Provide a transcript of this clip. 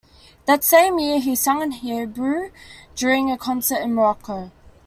That same year, he sang in Hebrew during a concert in Morocco.